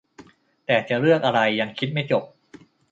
แต่จะเลือกอะไรยังคิดไม่จบ